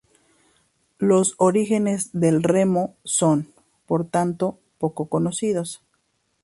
Los orígenes del remo son, por tanto, poco conocidos.